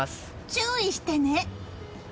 注意してね。